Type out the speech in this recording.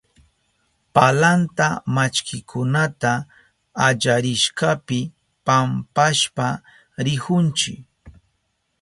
Palanta mallkikunata allarishkapi pampashpa rihunchi.